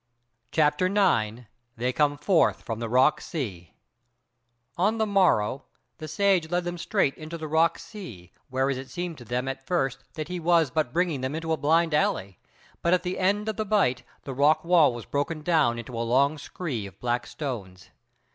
CHAPTER 9 They Come Forth From the Rock Sea On the morrow the Sage led them straight into the rock sea whereas it seemed to them at first that he was but bringing them into a blind alley; but at the end of the bight the rock wall was broken down into a long scree of black stones.